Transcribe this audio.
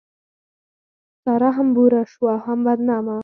سارا هم بوره شوه او هم بدنامه.